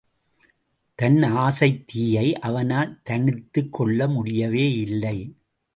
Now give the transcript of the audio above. தன் ஆசைத் தீயை அவனால் தணித்துக் கொள்ள முடியவேயில்லை.